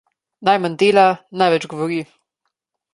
Najmanj dela, največ govori.